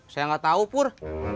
saya gak tau pur